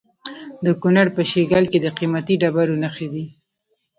د کونړ په شیګل کې د قیمتي ډبرو نښې دي.